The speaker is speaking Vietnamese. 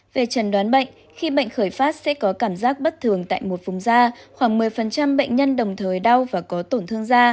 về trần đoán bệnh khi bệnh khởi phát sẽ có cảm giác bất thường tại một vùng da khoảng một mươi bệnh nhân đồng thời đau và có tổn thương da